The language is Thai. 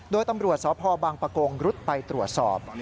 โดยตำรวจสพบังปะโกงรุดไปตรวจสอบ